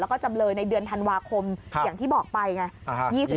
แล้วก็จำเลยในเดือนธันวาคมอย่างที่บอกไปไง